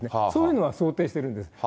そういうのは想定しているんです。